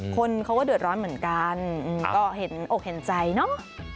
คนเขาก็เดือดร้อนเหมือนกันก็เห็นอกเห็นใจเนอะ